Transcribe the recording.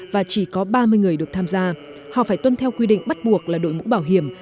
và chỉ có ba mươi người được tham gia họ phải tuân theo quy định bắt buộc là đội mũ bảo hiểm